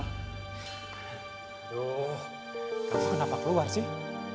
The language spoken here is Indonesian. aduh terus kenapa keluar sih